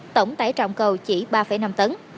tổng tải trọng cầu chỉ ba năm tấn